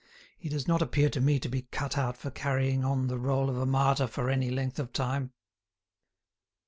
He does not appear to me to be cut out for carrying on the role of a martyr for any length of time."